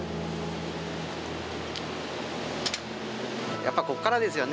やっぱこっからですよね